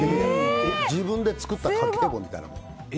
自分で作った家計簿みたいなもん。